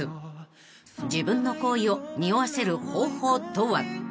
［自分の好意をにおわせる方法とは？］